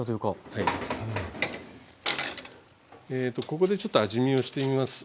ここでちょっと味見をしてみます。